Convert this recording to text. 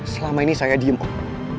selama ini saya diem kok